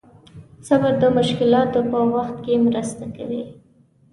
صبر د مشکلاتو په وخت کې مرسته کوي.